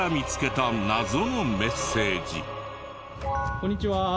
こんにちは。